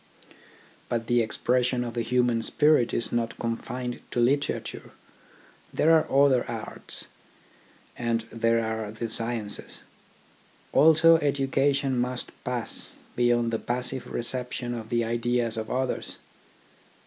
But the expression of the human spirit is not confined to literature. There are the other arts, and there are the sciences. Also education must pass beyond the passive reception of the ideas of others.